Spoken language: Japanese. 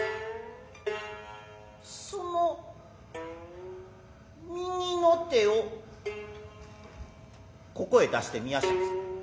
その右の手をここへ出してみやしゃんせ。